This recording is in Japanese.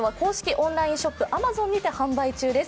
オンラインショップ、Ａｍａｚｏｎにて販売中です。